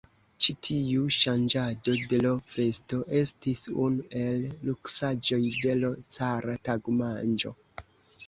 Ĉi tiu ŝanĝado de l' vesto estis unu el luksaĵoj de l' cara tagmanĝo.